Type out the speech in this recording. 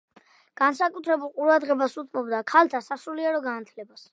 განსაკუთრებულ ყურადღებას უთმობდა ქალთა სასულიერო განათლებას.